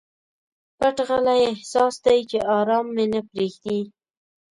پټ غلی احساس دی چې ارام مي نه پریږدي.